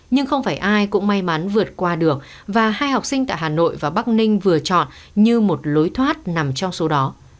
nhưng không phải ai cũng may mắn vượt qua được và hai học sinh tại hà nội và bắc ninh vừa chọn như một lối thoát nằm trong số đó